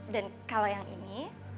dan kalau yang ini